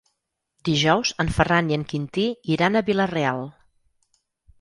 Dijous en Ferran i en Quintí iran a Vila-real.